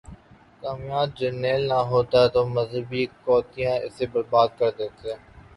کامیاب جرنیل نہ ہوتا تو مذہبی قوتیں اسے برباد کر دیتیں۔